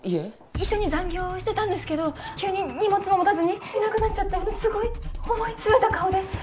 一緒に残業をしてたんですけど急に荷物も持たずにいなくなっちゃってすごい思い詰めた顔で！